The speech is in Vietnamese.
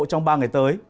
trong ba ngày tới